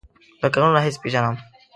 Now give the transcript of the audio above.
له کلونو راهیسې پیژنم.